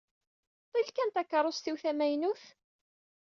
Ṭill kan takeṛṛust-iw tamaynut.